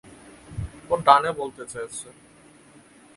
ও ডানে বলতে চেয়েছে!